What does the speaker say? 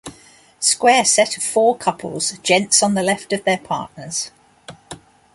Square Set of four couples, Gents on the left of their partners.